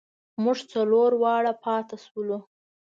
مونږ څلور واړه پاتې شولو.